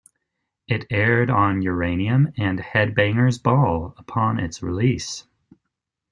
It aired on "Uranium" and "Headbangers Ball" upon its release.